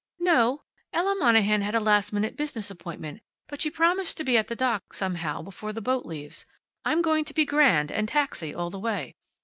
"No. Ella Monahan had a last minute business appointment, but she promised to be at the dock, somehow, before the boat leaves. I'm going to be grand, and taxi all the way."